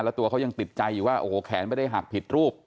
แล้วตัวเขายังติดใจอยู่ว่าโอ้โหแขนไม่ได้หักผิดรูป